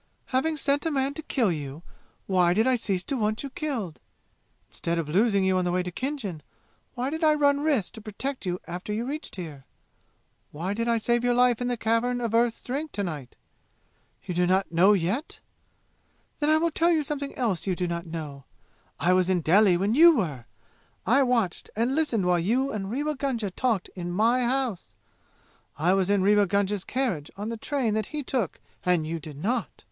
"Having sent a man to kill you, why did I cease to want you killed? Instead of losing you on the way to Khinjan, why did I run risks to protect you after you reached here? Why did I save your life in the Cavern of Earth's Drink to night? You do not know yet? Then I will tell you something else you do not know. I was in Delhi when you were! I watched and listened while you and Rewa Gunga talked in my house! I was in Rewa Gunga's carriage on the train that he took and you did not!